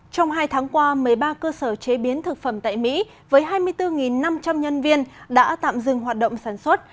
trong hai tháng qua một mươi ba cơ sở chế biến thực phẩm tại mỹ với hai mươi bốn năm trăm linh nhân viên đã tạm dừng hoạt động sản xuất